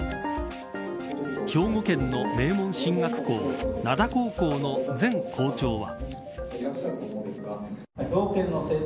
兵庫県の名門進学校灘高校の前校長は。